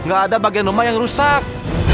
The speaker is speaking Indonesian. gak ada bagian rumah yang rusak